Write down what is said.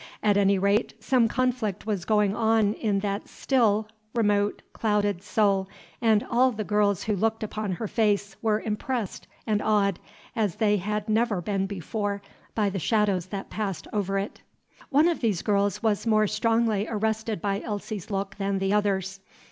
At any rate, some conflict was going on in that still, remote, clouded soul, and all the girls who looked upon her face were impressed and awed as they had never been before by the shadows that passed over it. One of these girls was more strongly arrested by Elsie's look than the others.